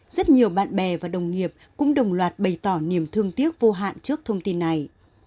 rất nhiều bạn bè và đồng nghiệp cũng đồng loạt bày tỏ niềm thương tiếc vô hạn trước thông tin này